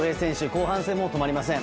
後半戦も止まりません。